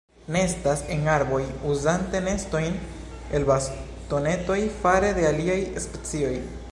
Nestas en arboj, uzante nestojn el bastonetoj fare de aliaj specioj.